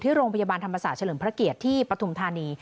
โรงพยาบาลธรรมศาสตร์เฉลิมพระเกียรติที่ปฐุมธานี